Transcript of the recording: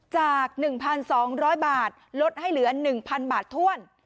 จาก๑๒๐๐บาทลดให้เหลือ๑๐๐๐บาทถ้วน